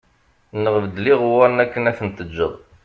Neɣ beddel iɣewwaṛen akken ad ten-teǧǧeḍ